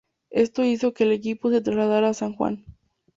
Esto hizo que el equipo se trasladara a San Juan.